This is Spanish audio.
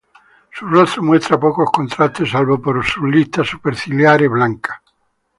Su rostro muestra pocos contrastes salvo por sus listas superciliares blancas.